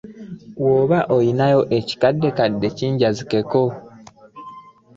Bw'oba olinayo ekikaddekadde kinjazike.